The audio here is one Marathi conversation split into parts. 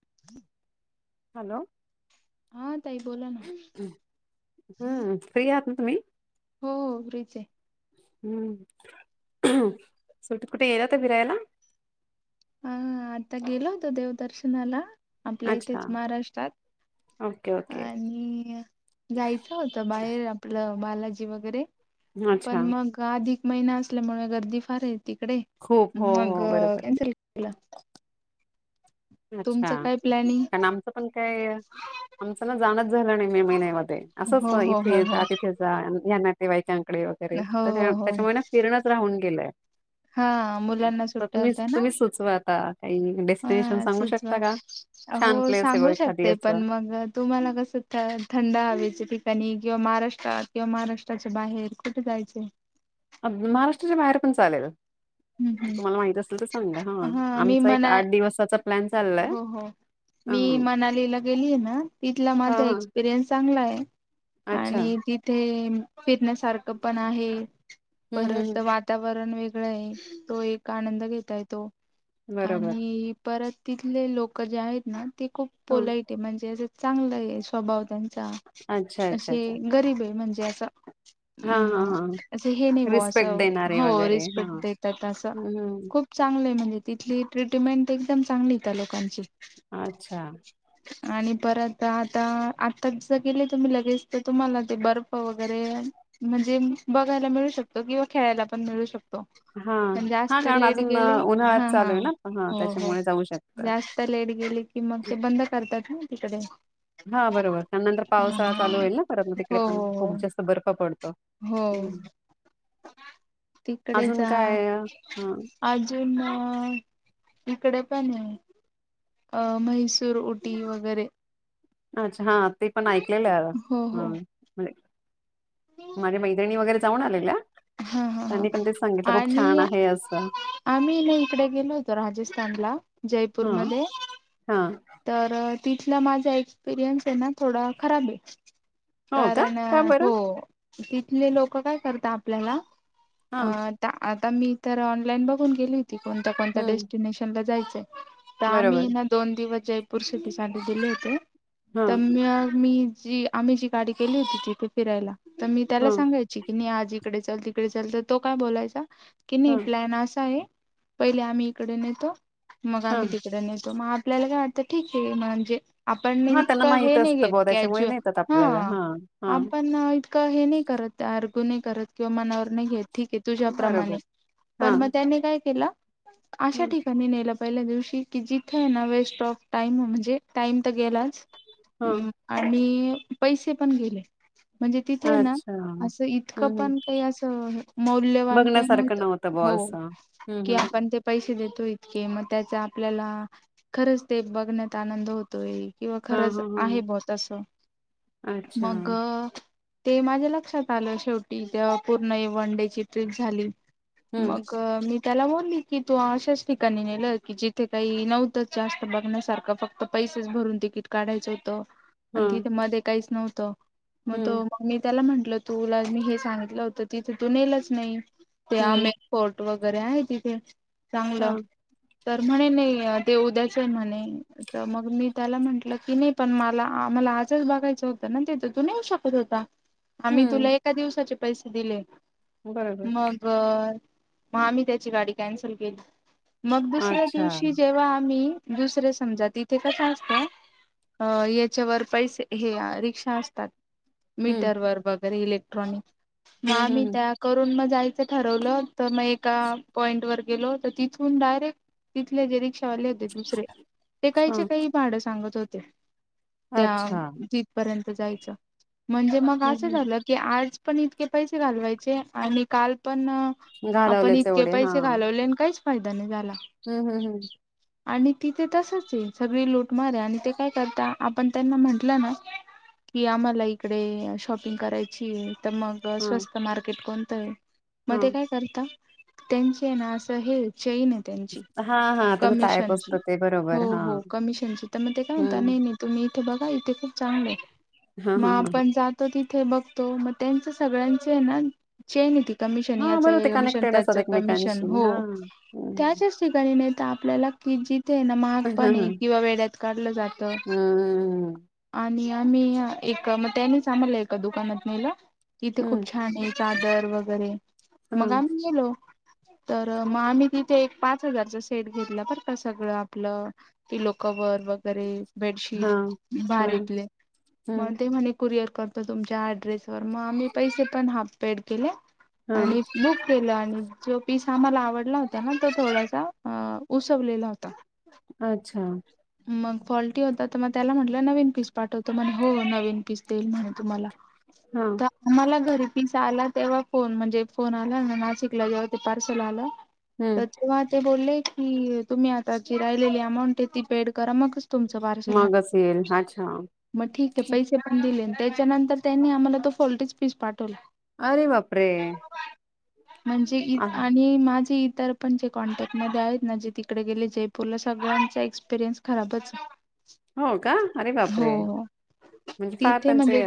[unintelligible] हॅलो. हा ताई बोला ना हो हम्म फ्री आहात ना तुम्ही? हो हो फ्रिचे. हम्म सुट्टीत कुठं गेला होता फिरायला? व ह हा आता गेलो होतो देवदर्शनला. आपल्या अच्छा इथेच महाराष्ट्रात ओके ओके आणि जायचं होत बाहेर आपलं बालाजी वगैरे. पण अच्छा मग गाधिक. महिना असल्यामुळे गर्दी फारे. तिकडे खूप हो मग हो बरोबर कॅन्सल हेला. अच्छा प्लॅनिंग कारण आमचं पण काय, आमच ना जाणच झालं नाही मे महिन्यामध्ये असंच हो हो हो इथे हो जा तिथे जा ह्याना ते वयतांग कडे वगैरे हो त हो हो त्याच्यामुळे ना फिरणच राहून गलंय.. हा मुलांना सुट्टया होत्या ना. काय न्यु डेस्टिनेशन्स हा सुचवा. हो बघ सांगू एखादी शकते असं पण मग तुम्हाला कस थ थंड हवी ठिकाणी- किंवा महाराष्ट्रात किंवा महाराष्ट्राच्या बाहेर कुठे जायचय? महाराष्ट्राच्या बाहेर पण चालेल. हम्म हम्म. तुम्हाला माहित असेल तर सांगा हा मी आमचा एक मना आठ दिवसाचा प्लॅन चाललाय हो हो हा मी मनालीला गेलीय ना, तिथला हा माझा हा एक्सपिरियन्स चांगला आहे. [unintelligible] अच्छा आणि तिथे फिरनसा- सारख पण आहे. हम्म हम्म परत हम्म. वातावरण वेग- वेगळाय तो एक आनंद घेता येतो. बरोबर आणि परत तिथले लोक जे आहेत ना ती खूप हा पोलाइटे म्हणजे अस चांगलं आहे स्वभाव त्यें- चा अच्छा अच्छा अशे अच्छा गरीब आहे म्हणजे ते अस. हा हा मग हा अस हे नाही अस रिस्पेक्ट देणारे हो वगैरे हा रिपेक्ट देतात. अस हम्म हम्म खूप चांगलं आहे म्हणजे तिथली ट्रीटमेंट. एकदम चांगली. त्या लोकांची. अच्छा. आणि परत आता आता ज गेले तुम्ही लगेच तर तुम्हाला ते बर्फ वगैरे म्हणजे बघायला मिळू शकतो, किंवा खेळायला पण मिळू शकतो. हा पण हा जास्त कारण लेट अजून गेले हा उन्हाळ्यात हा चालूय ना हा हो हो त्याच्यामुळे जाऊ शकतो. जास्त लाईट गेली कि मग ते बंद करतात. तिकडे हा बरोबर त्या नंतर पावसाळा चालू ह होईल ना परत मग तिकडे हो पण हो हो खूप जास्त बर्फ पडतो. हो. हम्म तिकडे अजून जा काय अ, अजून. इकडे पण आहे. अं म्हैसूर उऊटी वगैरे. अच्छा. हा ते पण ऐकलेलं हो हो ह. माझे मैत्रिणी वगैरे. जाऊन आलेल्या. हा, हा, हा त्यांनी पण तेच सांगितलं खूप छान आणि आहे असं आम्ही ना इकडे गेलो होतो. राजस्थानला हा जयपूरमध्ये हा तर. तिथला माझा एक्सपिरियन्स आहे ना थोडा खराब आहे. हो का कारण का बरं हो. तिथले लोक काय करतात. आपल्याला. हा अ आता आत. आता मी तर ऑनलाईन बघून गेली. त कोणत्या कोणत्या हम्म डेस्टिनेशन ला जायच. बरोबर आम्ही ना दोन दिवस. जयपूर सिटीसाठी दिले होते. हा तर मगं मी. जी आम्ही जी गाडी केली होती तिथे फिरायला. तर मी हा त्याला सांगायची की नाही आजी. इकडे चल तिकडे चल तर तो काय बोलायचा की नाही हा प्लॅन असा आहे पहिले आम्ही इकडे नेतो. मग हा आम्ही तिकडे नेेतो मगं आत आपल्याला काय वाटतं ठीक आहे. म्हणजे आपण हा त्यांना इतकं माहित हे नाही असतं घेत, ब त्याच्यामुळे कॅज्युल नेतात आपल्याला हा हा आपण इतकं हे नाही करत तर कुणी करत. किंवा मनावर नाही घेत. ठीक आहे, बरोबर तुझ्याप्रमाणे हा पण मगं त्यानी काय केलं, आशा ठीकाणी नेलं, पहिल्या दिवशी की जिथे आहे ना वेस्ट ऑफ टाइम म्हणजे टाईम तर गेलाच. हा हम्म आणि पैसे पण गेले. म्हणजे तिथे ना अच्छा असं इतकं हम्म पण काही असं मौल्यवान काही बघण्यासारखं नव्हतं, बॉ हो असं हम्म की हम्म आपण ते पैसे देतो. इतके मगं त्याचा आपल्याला खरंच ते बघण्यात आनंद होतोय. किंवा हा खरंच हा आहे हा बाॅस तसं अच्छा मग हम्म ते माझ्या लक्षात आलं, शेवटी पूर्ण वन डे ची ट्रीप झाली. मगं मी त्याला बोलली की, तू अशाच ठिकाणी नेलं की जिथे काही नव्हतंच, जास्त बघण्यासारखं फक्त पैसेच भरून तिकीट काढायचं होतं. हा आणि तिथे मध्ये काहीच नव्हं [unintelligible] मगं हम्म तो मी त्याला म्हणट तुला मी हे सांगितलं होत तर तिथं तून नेलच नाही. ते हम्म आमे फोर्टलो [unintelligible] बरे आहे तिथे, हा चांगलं. तर म्हणे नाही ते उद्याच आहे म्हणे, तर मग मी त्याला म्हंटलं की नाही पण मला मला आजच बघायचं होतं ना, तिथं तू नेऊ शकत होता. आम्ही हम्म तुला एका दिवसाचे पैसे दिले. बरोबर मगर मग आम्ही त्याची गाडी कॅन्सल केली. मग दुसऱ्या अच्छा दिवशी जेव्हा आम्ही दुसरे समजा तिथे कसं असतं, अ याच्यावर पैसे हे रिक्षा असतात. हम्म मीटर वर बघ इलेक्ट्रॉनिक. मग हम्म आम्ही हम्म त्या करून म जायचं ठरवलं तर मग एका पॉईंटवर गेलो, तर तिथून डायरेक्ट तिथल्या डिरेक्शन कळले ते दुसरे ते काहीच्या हम्म काही भाड सांगत होते. ते हा त्या अच्छा जीथपर्यंत जायचं म्हणजे मग असं हम्म झालं की आज व पनीर पैसे घालवायचे आणि कालपण न आपण घालवलेच इतके एवढे हा पैसे घालवले काहीच होदा नाही झाला. हम्म हम्म आणि तिथे तसच आहे सगळे लूटमारे आणि ते काय करता आपण त्यांना म्हंटलं ना की आम्हाला इकडे शॉपिंग करायची, तर मग हम्म स्वस्त मार्केट को तय? मग ते काय करता? त्यांचे आहे ना असं हेच. चैन आहे त्यांची हा हा हा हा त्याचा टायप कमिशनची असतं ते हो बरोबर हा हो कमिशनची मग ते का होता हम्म नाही का तुम्ही ते बघा इथे खूप चांगले आहे हा मग हा हा आपण जातो तिथ. बघतो मग त्यांच सगळ्यांचे ना चैन आहे ती. कमिशन हा बरोबर ते याचं कमिशन कनेक्टेड त्याच असतात कमिशन एकमेकांशी हा हो. हम्म त्याच्याच ठिकाणी नाही तर आपल्याला की जी ते ना महाग हा हा पण हा. आहे किंवा वेड्यात काढलं जात हम्म आणि आम्ही एक मग त्यानीच मग आम्हाला एका दुकानात नेलं तिथे खूप हम्म छान आहे चादर वगैरे हा मग आम्ही गेलो तर मग आम्ही तिथे एक पाच हजारचा सेट घेतला ब का सगळं आपलं पीलो कवर वगैरे हा बेडशीट हा भारीतले हम्म मग ते म्हणे कुरिअर करत तुमच्या ॲड्रेसवर मग आम्ही पैसे पण हाफ पेड केले हा आणि बुक केलं आणि जो पीस आम्हाला आवडला होता ना तो थोडासा अ उसवलेला होता. अच्छा मग फॉल्टी होता तर मग त्याला म्हंटलं नवीन पीस पाठवतो म्हणे हो नवीन पीस देईल म्हणे तुम्हाला. हा तर आम्हाला घरी पिस आला तेव्हा फोन म्हणजे फोन आला ना नाशिकला जेव्हा ते पार्सल आलं हम्म तर तेव्हा ते बोलले ही तुम्ही आताची राहिलेली अमाऊंट आहे ती पेड करा मग. तुमचं पार्सल मगच आलं येईल अच्छा मग ठीक आहे पैसे पण दिले ना. त्याच्यानंतर त्यांनी आम्हाला तो फॉल्टिच पीस पाठवल. अरे बापरे म्हणजे आ- आणि माझी तर पण जे कॉन्टॅक्ट मध्ये आहेत ना जे तिकडे गेले जयपूरला सगळ्यांचा एक्सपिरियन्स खराबच. हो का अरे बापरे हो म्हणजे फार तिथे त्यांचे म्हणजे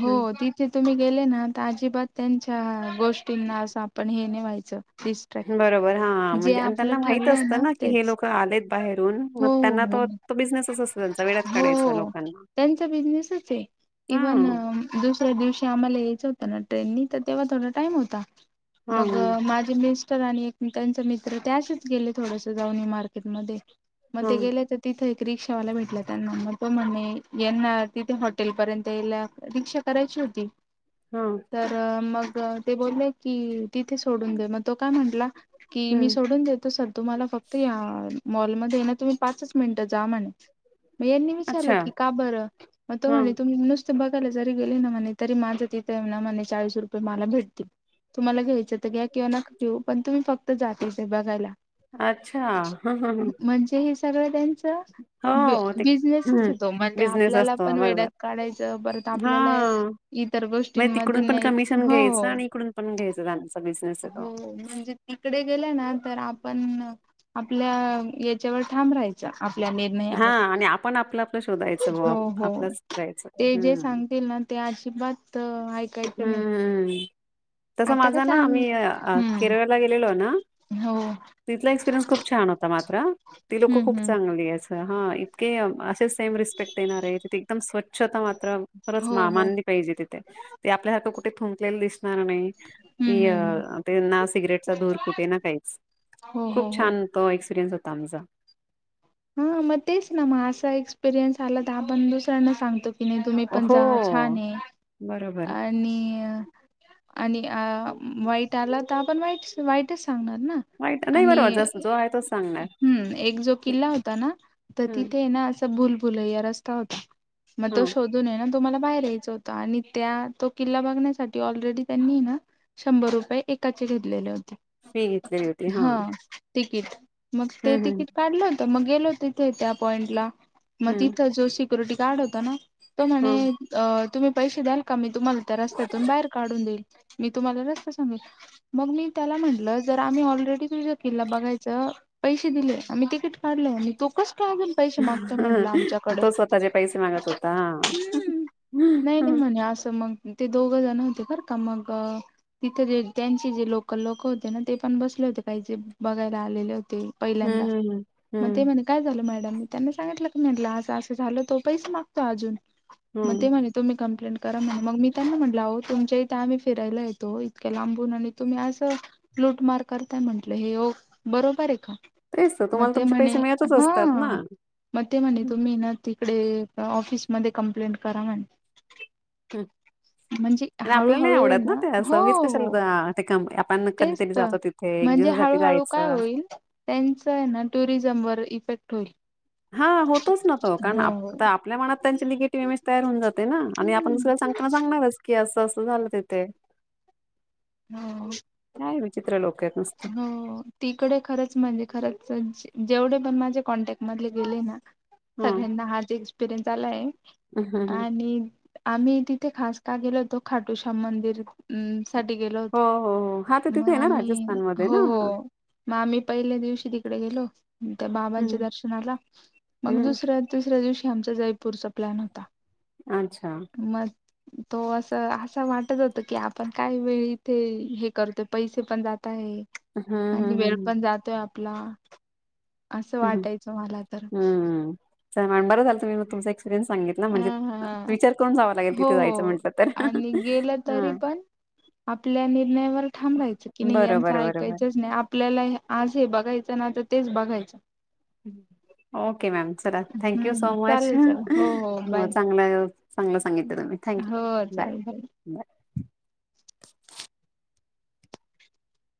हो तिथे तुम्ही गेले ना तर अजिबात त्यांच्या गोष्टींना असं आपण हे ने व्हायचं डिस्ट्रॅक्ट बरोबर हा जे म्हणजे आणि आपलं त्यांना माहित ठरलंय असतं ना कि हे तेच लोक आलेत बाहेरून हो मग हो त्यांना हो त तो बिझनेसच असत त्यांचा वेड्यात हो काढायचा हो लोकांना त्यांचा बिझनेसच आहे इव्हन हां दुसऱ्या दिवशी आम्हाला यायचं होतं ना ट्रेननी तर तेव्हा थोडा टाइम होता. हां, मग हं. माझी मीच ते आणि एक त्यांच मित्र ते असच गेले थोडस जाऊन मार्केटमध्ये. म ते हां, गेले तर तिथे रिक्षावाला भेटला त्यांना तो म्हणे येणार तिथे हॉटेल पर्यंतला रिक्षा. करायची होती हां, तर मग तर ते बोलले की तिथे सोडून दे मग तो काय म्हटला कि मी हं. सोडून देतो सर तुम्हाला फक्त या मॉलमध्ये ए ना तुम्ही पाचच मिनिटं जा म्हणे. म यांनी विचारलं अच्छा, की का बरं, म तो म्हणे हां, तुम्ही नुस् तुम्हाकले जाय ते गेले न म्हणे तरी माझं तिथे ना मने चाळीस रुपये मला भेटतील. तुम्हाला घ्यायचेत घ्या किंवा नक घीऊ, पण तुम्ही फक्त त जाते ते बघायला. आच्छा हं-हं-हं सगळेजण च्या बिजनेसच ए हं, तो म ते बिझनेस आपल्याला असतो पण वेड्यात बरोबर. काढायचं. परत आप आपल्याला हां, इतर म्हणजे गोष्टींमध्ये तिकडून पण नाहीच, कमिशन हो-हो घ्यायचं आणि इकडून पण घ्यायचं त्यांचा बिझनेस आहे तो. हो म्हणजे तिकडे गेल्या ना तर आपण आपल्या याच्यावर ठाम राहायचं. हां, आणि आपण आपलं आपलं शोधायचं हो बा. हो आपलंच करायचं ते जे हं. सांगतील ना ते अजिबात ऐकायचं नाही. [inaudible] तसं आता माझा कसं ना आम मी अ हम्म केरळला गेलेलो ना हो तिथला एक्सपिरियन्स खूप छान होता मा त्र ती लोकं हम्म खूप हम्म चांगली आस् हां इतके असेस. टेमरिस्पेक्ट देणारेत, एकदम स्वछ शतमात्र खरंच हो ना हो मानली पाहिजे तिथे, ते आपल्यासारखं कु ते थुंकलेल दिसणार नाही. हम्म कीय, हम्म हम्म तेना सिगरेटचा धूर कुठे ना काहीच. हो हो खूप हो छान तो एक्सपिरयन्स होत तांजा हं म तेच ना म असा एक्सपिरियन्स आला त आपण दुसयांना सांगतो. तिने तुम्ही पन हो, जा छाने, बरोबर. आणि आणि अं वाईट आला त आपण वाईट्स वाईटस वाईट नाही बरोब जस् जो आहे तोच सांगणार. तनं त हं, तिथे एना असं बुल भुलैया रस्ता होता. म तो हां. शोधून एना तो मला बाहेर यायचा होता, आणि त्या तो किल्ला बघण्यासाठी ऑलरेडी त्यांनी ना शंभर रुपये एकाचे घेतलेले होते. फी घेतलेली होती हां. हा तिकीट मग ते हं, हं, तिकीट काढल? तर मग गेलो तिथे त्या पॉइंट ला मद हं. तिथं जोशीक सिक्युरटी गार्ड होता ना? त म्हण हां. अ तुमी पैसे द्याल कमी तुम्हाला तर रस्त्यातून बाहेर काढून देईल. मी तुम्हाला रस्त सांगेल मग मी त्याला म्हटलं जर आम्ही ऑलरेडी तुझ किल्ला बघायचं पैसे दिले आम्ही तिकीट ल तो कस काय अजून पैसे मागतोय ह म्हटलं म आमच्याकडे तो स्वतःचे पैसे मागत होता नाही हा. नाही म्हणे असं मग ते दोघ जण होते बर का मग तिथे, जे त्यांची जे लोकल लोक होते ना, ते पण बसले होते काही चे बघायला आलेले होते. ते, पहिल्यांदा हं, मग हं, ते म्हणे, काय झालं. मॅडम मी त्यांना सांगितलं की म्हंटल, असं असं झाल तो पैस मागतो अजून मग हं. ते म्हणे, तुम्ही कंप्लेट करा म्हणे, मग मी त्यांना म्हटलं हो. तुमच्या इथे आम्ही फिरायला येतो. इतक्या लांबून आणि तुम्ही असं लूटमार करताय, म्हटलं हे हो बरोबर आहे का? तेच तर, मग तुम्हाला ते तुमच्या हा. मग? ते म्हणे हं, तुम्ही नंतर तिकडे ऑफिस मध्ये कमप्लेंट करा म्हणे. ह म्हणजे आणि आपल्याला नाही हळूहळू आहे आवडत ना, ते अस हो उगीच हो कशाला? कम आप तेच तर, म्हणजे हळूहळू काय जायचं. होईल. त्यांच ना टुरिझम वर इफेक्ट [inaudible] हा होतोच ना, तो कारण हो आपल्या मनात त्यांची निगेटिव्ह इमेज तयार होऊन जाते. ना आणि आपण दुसर सांगता सांगणारच की असं. झालं तिथे हो. काय विचित्र लोकं आहेत नुसते. हो तिकडे खरंच, म्हणजे खरंच. जेवढे पण, माझ्या कॉन्टॅक्ट मधले गेले. ना हां. सगळ्यांना हा च एक्सपिरियन्स. झालंय. हं, हं, हं. आणि आम्ही तिथे खास का, गेलो होतो खाटूशाम मंदिर साठी गेलो हो होतो हो हो हा तर, तिथे मग आहे ना? आम्ही राजस्थान मध्ये. हो.. हो म आम्ही पहिल्या दिवशी तिकडे गेलो होतो. त्या बाबांच्या हं, दर्शनाला, मग हं. दुसऱ्या आनी तिसऱ्या दिवशी आमचा जयपूर चा प्लॅन होता. अच्छा. मग तो असं, असं वाटत होत की, आपण काय वेळी इथे हे करतोय, पैसे पण जात नाही हम्म हम्म आणि वेळ हम्म पण जातोय. आप [inaudible] [unintelligible] ह हम्म च मॅडम बर झाल तुम्ही मग तुमच ह ह जावं ह लागेल हो तिथे जायचं हो म्हटलं तर आणि गेलं तरी हा पण आपल्या निर्णयावर ठाम राहायचं, की नाही यांचं बरोबर बरोबर ऐकायचच नाही, आपल्याला आज हे बघायचं ना तर तेच बघायचं. Okay ma'am. चला थँक्यू सो हम्म मच. चालेल चालेल हो हो बाय चांगलं, चांगलं सांगितलं तुम्ही. थँक्यू हो बाय. चालेल बाय.